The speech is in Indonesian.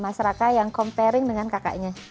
mas raka yang comparing dengan kakaknya